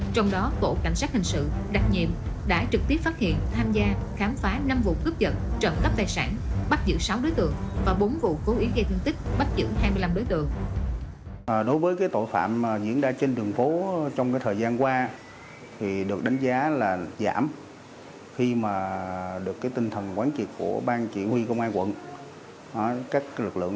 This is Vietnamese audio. trong đó bộ cảnh sát hình sự đặc nhiệm đã trực tiếp phát hiện tham gia khám phá năm vụ cướp dẫn trận cắp tài sản bắt giữ sáu đối tượng và bốn vụ cố ý gây thương tích bắt giữ hai mươi năm đối tượng